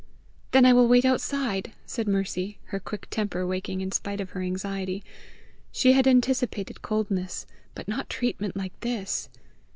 "Then I will wait outside!" said Mercy, her quick temper waking in spite of her anxiety: she had anticipated coldness, but not treatment like this!